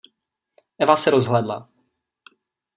Eva se rozhlédla.